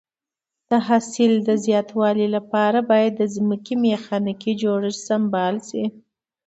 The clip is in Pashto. د حاصل د زیاتوالي لپاره باید د ځمکې میخانیکي جوړښت سمبال شي.